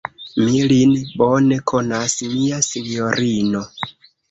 Mi lin bone konas, mia sinjorino.